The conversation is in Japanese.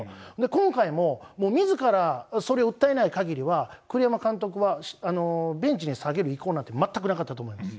今回ももうみずからそれを訴えないかぎりは、栗山監督はベンチに下げる意向なんて全くなかったと思います。